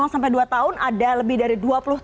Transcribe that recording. lima sampai dua tahun ada lebih dari